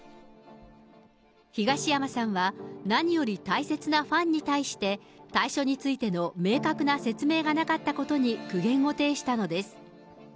東山さんは、何より大切なファンに対して、退所についての明確な説明がなかったことに苦言を呈したのです。